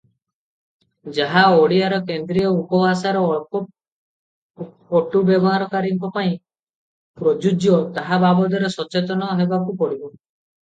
ଯାହା ଓଡ଼ିଆର କେନ୍ଦ୍ରୀୟ ଉପଭାଷାରେ ଅଳ୍ପ ପଟୁ ବ୍ୟବହାରକାରୀଙ୍କ ପାଇଁ ପ୍ରଯୁଜ୍ୟ ତା’ ବାବଦରେ ସଚେତନ ହେବାକୁ ପଡ଼ିବ ।